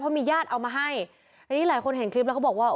มีญาติเอามาให้อันนี้หลายคนเห็นคลิปแล้วเขาบอกว่า